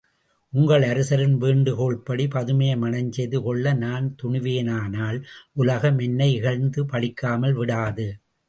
உங்கள் அரசரின் வேண்டுகோள்படி பதுமையை மணஞ்செய்து கொள்ள நான் துணிவேனானால் உலகம் என்னை இகழ்ந்து பழிக்காமல் விடாது.